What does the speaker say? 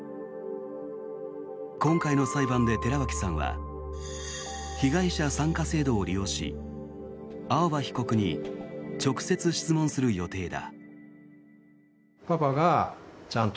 今回の裁判で寺脇さんは被害者参加制度を利用し青葉被告に直接質問する予定だ。